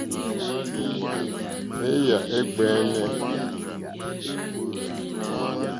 Èyà é ɡbɛ̀ɛ̀nɛ̀.